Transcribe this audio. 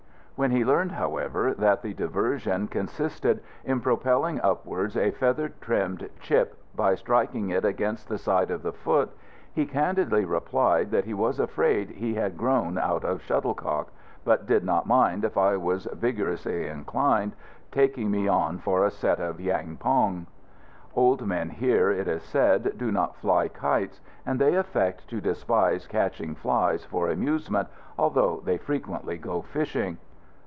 When he learned, however, that the diversion consisted in propelling upwards a feather trimmed chip by striking it against the side of the foot, he candidly replied that he was afraid he had grown out of shuttle cock, but did not mind, if I was vigorously inclined, "taking me on for a set of yang pong." Old men here, it is said, do not fly kites, and they affect to despise catching flies for amusement, although they frequently go fishing.